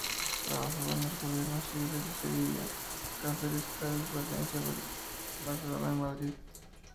Trabajó en los gobiernos civiles de Sevilla, Cáceres, Cádiz, Barcelona, Valencia y Madrid.